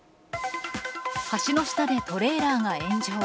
橋の下でトレーラーが炎上。